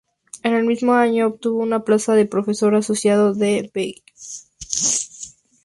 En el mismo año, obtuvo una plaza de profesor asociado en Heidelberg.